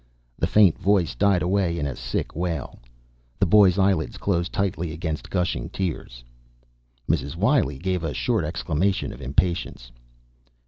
The faint voice died away in a sick wail. The boy's eyelids closed tightly against gushing tears. Mrs. Wiley gave a short exclamation of impatience.